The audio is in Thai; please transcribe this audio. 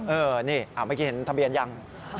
นี่เมื่อกี้เห็นทะเบียนยัง